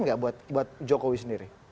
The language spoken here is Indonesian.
nggak buat jokowi sendiri